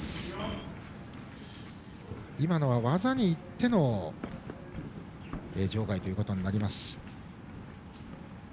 今のは技にいっての場外となります。